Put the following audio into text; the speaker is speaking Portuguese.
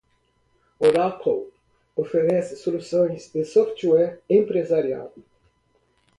Oracle oferece soluções de software empresarial.